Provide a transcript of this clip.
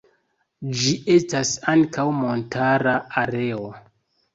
Ĝi estas ankaŭ montara areo.